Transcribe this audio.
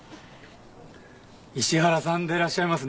石原さんでいらっしゃいますね？